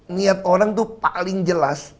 niat orang itu paling jelas